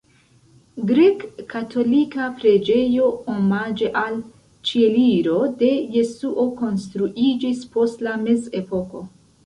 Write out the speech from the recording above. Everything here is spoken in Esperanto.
Grek-katolika preĝejo omaĝe al Ĉieliro de Jesuo konstruiĝis post la mezepoko.